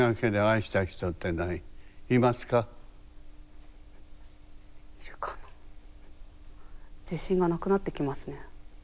いるかな自信がなくなってきますね。